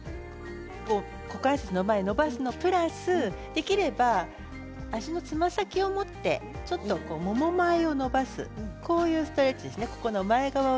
股関節の前を伸ばすのプラス足のつま先を持ってもも前を伸ばすストレッチですね。